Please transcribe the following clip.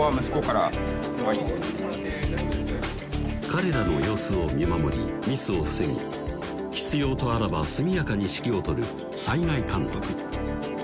彼らの様子を見守りミスを防ぎ必要とあらば速やかに指揮を執る災害監督